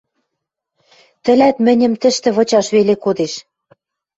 Тӹлӓт мӹньӹм тӹштӹ вычаш веле кодеш.